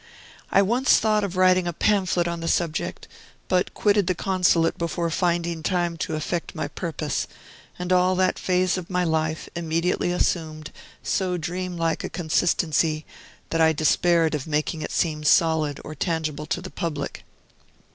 I once thought of writing a pamphlet on the subject, but quitted the Consulate before finding time to effect my purpose; and all that phase of my life immediately assumed so dreamlike a consistency that I despaired of making it seem solid or tangible to the public.